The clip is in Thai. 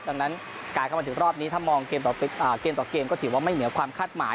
ดังนั้นการเข้ามาถึงรอบนี้ถ้ามองเกมต่อเกมก็ถือว่าไม่เหนือความคาดหมาย